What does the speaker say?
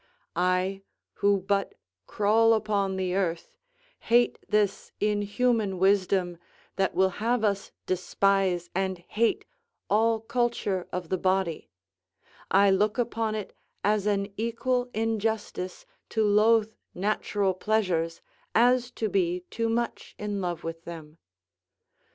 I, who but crawl upon the earth, hate this inhuman wisdom, that will have us despise and hate all culture of the body; I look upon it as an equal injustice to loath natural pleasures as to be too much in love with them.